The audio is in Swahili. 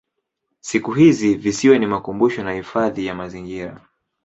Siku hizi kisiwa ni makumbusho na hifadhi ya mazingira.